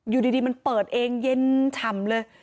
อยู่ดีมันเปิดเองเย็นฉ่ำเลย